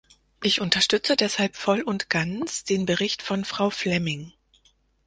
Ich unterstütze deshalb voll und ganz den Bericht von Frau Flemming.